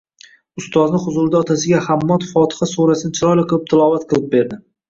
Ustozni huzurida otasiga Hammod fotiha surasini chiroyli qilib tilovat qilib berdi